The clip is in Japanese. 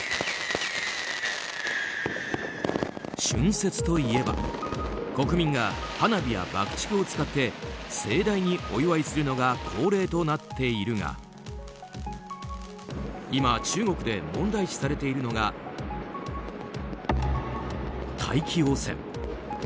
春節といえば国民が花火や爆竹を使って盛大にお祝いするのが恒例となっているが今、中国で問題視されているのが大気汚染。